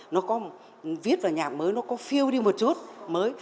nó có viết vào nhạc mới nó có feel đi một chút mới